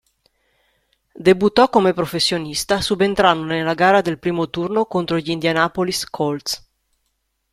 Debuttò come professionista subentrando nella gara del primo turno contro gli Indianapolis Colts.